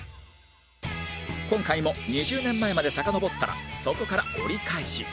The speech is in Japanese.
今回も２０年前までさかのぼったらそこから折り返し